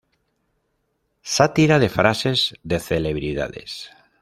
Sátira de frases de celebridades.